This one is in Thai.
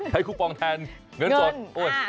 ใช้คุปปองแทนเงินสด